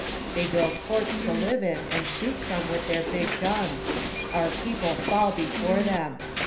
" They build forts to live in and shoot from with their big guns. Our people fall before them.